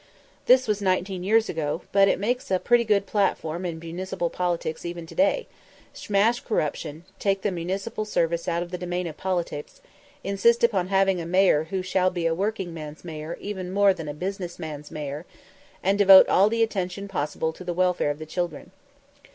This was nineteen years ago, but it makes a pretty good platform in municipal politics even to day smash corruption, take the municipal service out of the domain of politics, insist upon having a Mayor who shall be a workingman's Mayor even more than a business man's Mayor, and devote all attention possible to the welfare of the children.